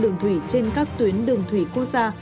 đường thủy trên các tuyến đường thủy quốc gia